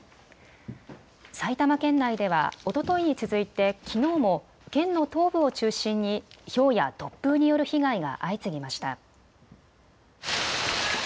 埼玉県内ではおとといに続いてきのうも県の東部を中心にひょうや突風による被害が相次ぎました。